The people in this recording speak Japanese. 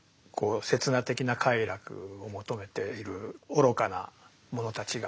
刹那的な快楽を求めている愚かな者たちが住んでると。